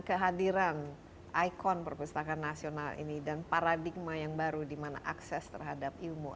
kehadiran ikon perpustakaan nasional ini dan paradigma yang baru dimana akses terhadap ilmu